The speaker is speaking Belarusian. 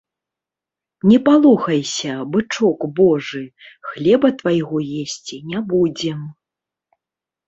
Не палохайся, бычок божы, хлеба твайго есці не будзем.